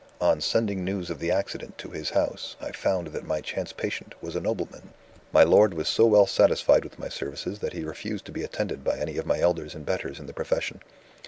On sending news of the accident to his house, I found that my chance patient was a nobleman. "My lord was so well satisfied with my services that he refused to be attended by any of my elders and betters in the profession.